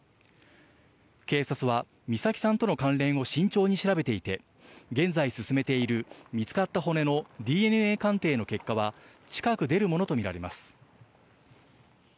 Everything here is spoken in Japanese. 警察は美咲さんとの関連を慎重に調べていて、現在進めている見つかった骨のＤＮＡ鑑定の結果は、近く出るものと見られます。